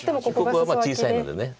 ここは小さいので。